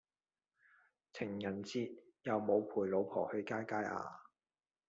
情人節有無陪老婆去街街呀